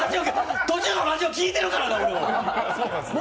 途中のラジオ聞いてるからな俺も！